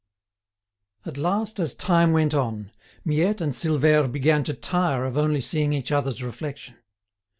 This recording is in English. At last, as time went on, Miette and Silvère began to tire of only seeing each other's reflection.